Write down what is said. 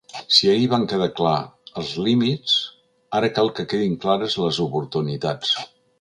Si ahir van quedar clars els límits, ara cal que quedin clares les oportunitats.